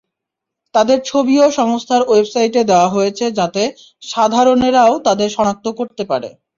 তাদের ছবিও সংস্থার ওয়েবসাইটে দেওয়া হয়েছে যাতে সাধারণেরাও তাদের শনাক্ত করতে পারে।